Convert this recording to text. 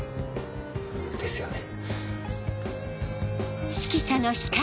ですよね。